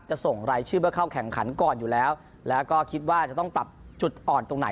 ส่งรายชื่อเพื่อเข้าแข่งขันก่อนอยู่แล้วแล้วก็คิดว่าจะต้องปรับจุดอ่อนตรงไหน